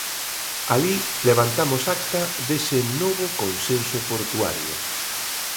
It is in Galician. Alí levantamos acta dese Novo Consenso Portuario.